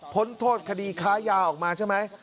พ้นโทษคดีค้ายาออกมาใช่ไหม